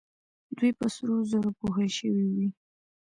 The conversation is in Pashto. دوی په سرو زرو پوښل شوې وې